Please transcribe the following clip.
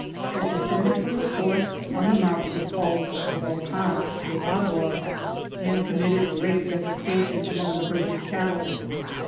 that descended from the forests on the mountain called the Volcan de Agua, and committed great devastation among the herds of cattle.